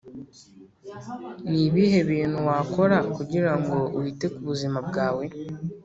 Ni ibihe bintu wakora kugira ngo wite ku bizima bwawe